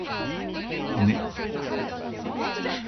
梅